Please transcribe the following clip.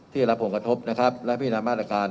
ได้รับผลกระทบนะครับและพินามาตรการ